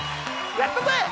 やったぜ！